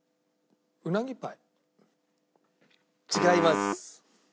違います。